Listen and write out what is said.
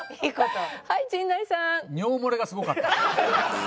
はい陣内さん。